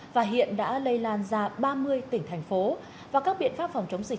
và hiện đã lây lan ra ba mươi tỉnh thành phố và các biện pháp phòng chống dịch